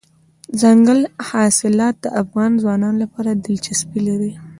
دځنګل حاصلات د افغان ځوانانو لپاره دلچسپي لري.